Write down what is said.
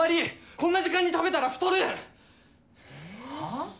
こんな時間に食べたら太る！は？